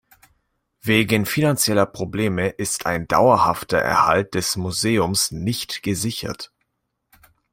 Wegen finanzieller Probleme ist ein dauerhafter Erhalt des Museums nicht gesichert.